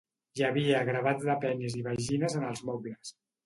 Hi havia gravats de penis i vagines en els mobles.